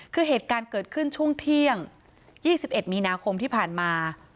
คือเหตุการณ์เกิดขึ้นช่วงเที่ยง๒๑มีนาคมที่ผ่านมา